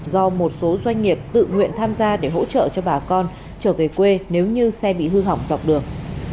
do một số doanh nghiệp tự nguyện tham gia để hỗ trợ cho bà con trở về quê nếu như xe bị hư hỏng dọc đường